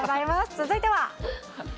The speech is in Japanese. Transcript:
続いては。